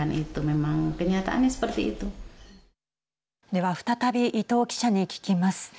では再び伊藤記者に聞きます。